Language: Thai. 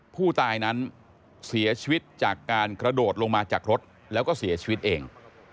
ผู้ตายนั้นเสียชีวิตจากการกระโดดลงมาจากรถแล้วก็เสียชีวิตเอง